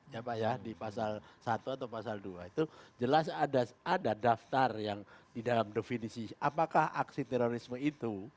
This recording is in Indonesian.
ya pak ya di pasal satu atau pasal dua itu jelas ada daftar yang di dalam definisi apakah aksi terorisme itu